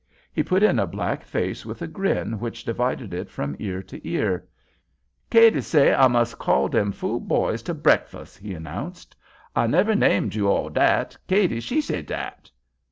He put in a black face with a grin which divided it from ear to ear. "Cady say I mus' call dem fool boys to breakfus'," he announced. "I never named you all dat. Cady, she say dat."